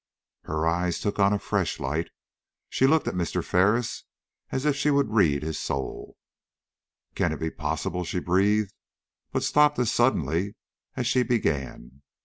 Her eyes took on fresh light; she looked at Mr. Ferris as if she would read his soul. "Can it be possible " she breathed, but stopped as suddenly as she began.